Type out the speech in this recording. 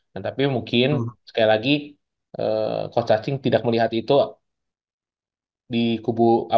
nah tapi mungkin sekali lagi cost touching tidak melihat itu